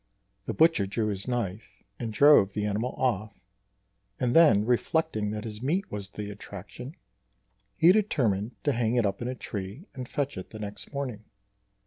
The butcher drew his knife and drove the animal off; and then reflecting that his meat was the attraction, he determined to hang it up in a tree and fetch it the next morning.